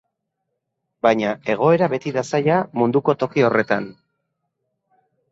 Baina egoera beti da zaila munduko toki horretan.